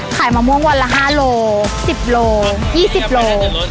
มะม่วงวันละ๕โล๑๐โล๒๐โล